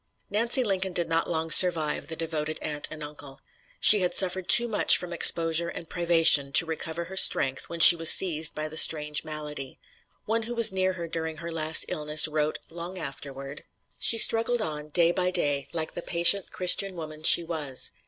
Nancy Lincoln did not long survive the devoted aunt and uncle. She had suffered too much from exposure and privation to recover her strength when she was seized by the strange malady. One who was near her during her last illness wrote, long afterward: "She struggled on, day by day, like the patient Christian woman she was.